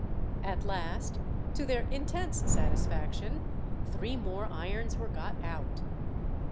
At last, to their intense satisfaction, three more irons were got out.